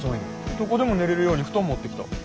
どこでも寝れるように布団持ってきた。